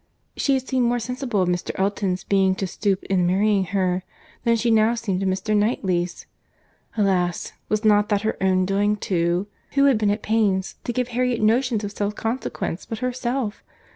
—She had seemed more sensible of Mr. Elton's being to stoop in marrying her, than she now seemed of Mr. Knightley's.—Alas! was not that her own doing too? Who had been at pains to give Harriet notions of self consequence but herself?